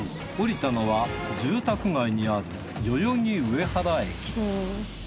降りたのは住宅街にある代々木上原駅